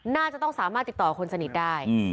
น่าจะต้องสามารถติดต่อคนสนิทได้